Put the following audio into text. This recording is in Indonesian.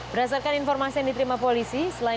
berdasarkan informasi yang diterima polisi selain